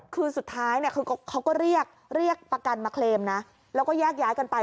คือสุดท้ายเนี่ยคือเขาก็เรียกเรียกประกันมาเคลมนะแล้วก็แยกย้ายกันไป